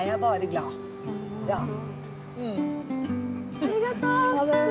ありがとう！